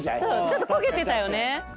ちょっと焦げてたよね。